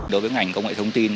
đối với ngành công nghệ thông tin